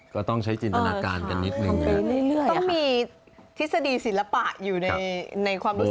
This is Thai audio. ก็ต้องใช้จินตนาการกันนิดนึงต้องมีทฤษฎีศิลปะอยู่ในความรู้สึก